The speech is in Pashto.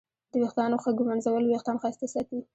د ویښتانو ښه ږمنځول وېښتان ښایسته ساتي.